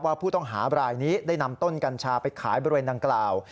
ผู้ต้องหาบรายนี้ได้นำต้นกัญชาไปขายบริเวณดังกล่าว